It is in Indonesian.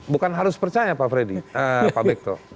bukan harus percaya pak freddy pak bekto